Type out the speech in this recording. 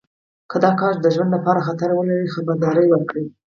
که دا کار د ژوند لپاره خطر ولري خبرداری ورکړئ.